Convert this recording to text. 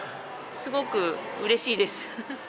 すごくうれしいです。